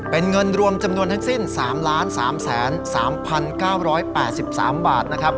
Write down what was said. เป็นเงินรวมจำนวนทั้งสิ้น๓๓๓๓๙๘๓บาท